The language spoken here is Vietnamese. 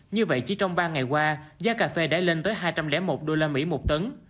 như vậy chỉ trong ba ngày qua giá cà phê đã lên tới hai trăm linh một usd một tấn